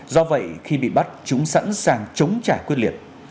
do vậy khi bị bắt chúng sẵn sàng chống trả quyết liệt